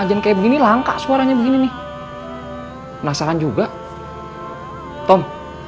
aja kayak gini langka suaranya begini nih hai nasakan juga hai tom